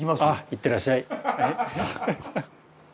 いってらっしゃい。